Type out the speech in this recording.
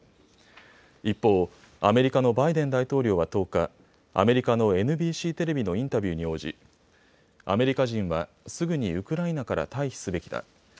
一方、アメリカのバイデン大統領は１０日、アメリカのＮＢＣテレビのインタビューに応じアメリカ人はすぐにウクライナから退避すべきだ。